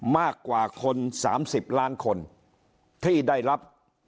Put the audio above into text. มากกว่าคน๓๐ล้านคนที่ได้รับ